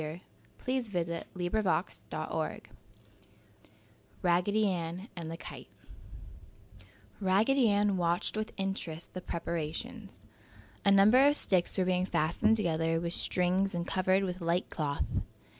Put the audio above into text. RAGGEDY ANN AND THE KITE Raggedy Ann watched with interest the preparations. A number of sticks were being fastened together with strings and covered with light cloth.